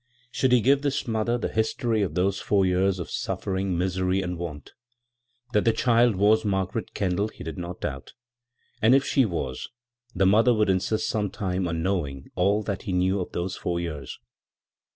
Should he give this mother the history of those four years of su£Eering, misery, and want ? That the child b, Google CROSS CURRENTS vas Margaret Kendall he did not doubt, and if she was, the mother would insist some time on knowing aJ that he knew of those four years.